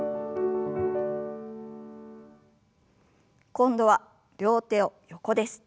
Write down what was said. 今度は両手を横です。